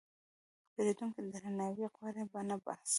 پیرودونکی درناوی غواړي، نه بحث.